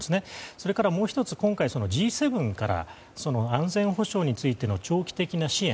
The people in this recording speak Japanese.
それからもう１つ、今回Ｇ７から安全保障についての長期的な支援